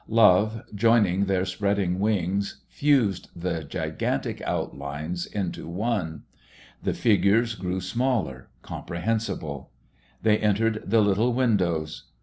Love, joining their spreading wings, fused the gigantic outlines into one. The figures grew smaller, comprehensible. They entered the little windows.